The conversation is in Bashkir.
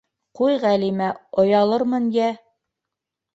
Ҡуй, Ғәлимә, оялырмын йә...